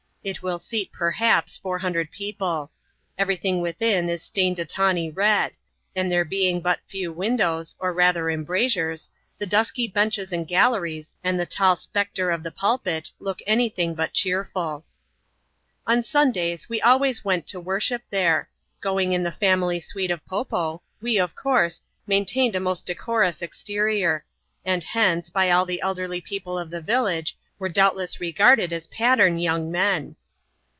It will seat, perhaps, four hundred people. Every thing witiiin is stained a tawny red ; and there being but few windoiwB, or rather embrasures, the dusky benches and galleries, and the ti£ spectre of a pulpit, look any thing but che^uL On Sundays, we always went to worship here. Going in ihc family suite of Po Po, we, of course, maintained a most decoroui exterior ; and hence, by all the elderly people of the village^ were doubtless regarded as pattern young men.